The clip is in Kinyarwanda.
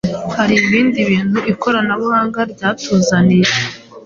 Hari ibindi bintu ikoranabuhanga ryatuzaniye.